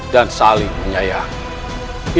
dan saling menyayangi